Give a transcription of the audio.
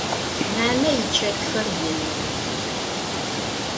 Nane yiçetxer yinıx.